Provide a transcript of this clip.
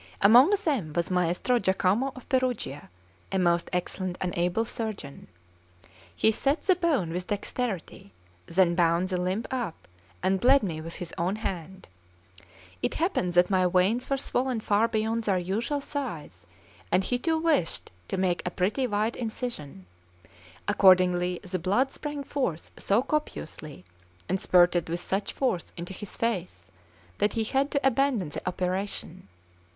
Among them was Maestro Jacomo of Perugia, a most excellent and able surgeon. He set the bone with dexterity, then bound the limb up, and bled me with his own hand. It happened that my veins were swollen far beyond their usual size, and he too wished to make a pretty wide incision; accordingly the blood sprang forth so copiously, and spurted with such force into his face, that he had to abandon the operation.